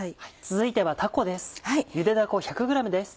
続いてはたこです。